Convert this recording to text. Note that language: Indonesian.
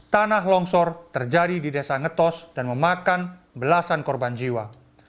tanah longsor terjadi di desa ngetos dan memakan belasan korban jiwa